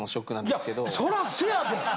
いやそらそやで！